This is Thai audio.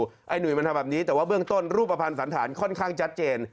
ไอ้หนุ่ยมันทำแบบนี้แต่ว่าเบื้องต้นรูปภัณฑ์สันฐานค่อนข้างชัดเจน